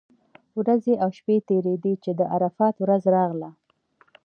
ورځې او شپې تېرېدې چې د عرفات ورځ راغله.